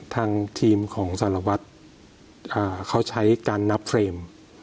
ทางทีมของสารวัตรเขาใช้การนับเฟรม